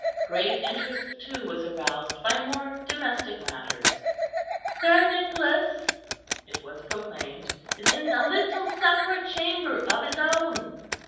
Great interest, too, was aroused by more domestic matters. "Sir Nicholas," it was proclaimed, "is in a little separate chamber of his own.